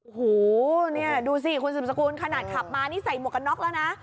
โอ้โหนี่ดูสิคุณสืบสกุลขนาดขับมานี่ใส่หมวกกันน็อกแล้วนะ